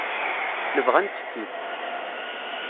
Nebɣa ad nettekki.